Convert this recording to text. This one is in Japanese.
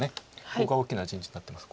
ここは大きな陣地になってます。